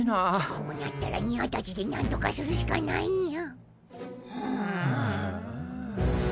こうなったらニャーたちでなんとかするしかないニャ。